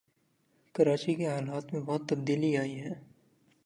کراچی کے حالات میں بہت تبدیلی آئی ہے